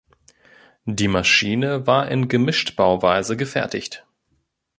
Die Maschine war in Gemischtbauweise gefertigt.